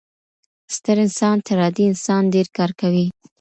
ستر انسان تر عادي انسان ډیر کار کوي.